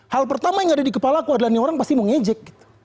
hal pertama yang ada di kepala aku adalah nih orang pasti mau ngejek gitu